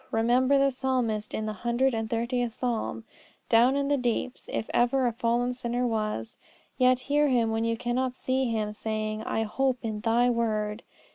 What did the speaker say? Remember the Psalmist in the hundred and thirtieth Psalm, down in the deeps, if ever a fallen sinner was. Yet hear him when you cannot see him saying: I hope in Thy word!